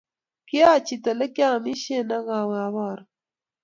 Kyachit olegiamishen agawe abaru.